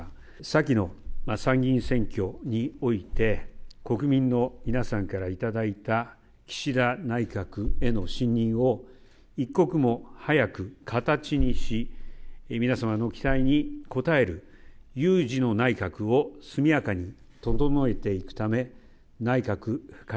先の参議院選挙において、国民の皆さんからいただいた岸田内閣への信任を、一刻も早く形にし、皆様の期待に応える有事の内閣を速やかに整えていくため、内閣改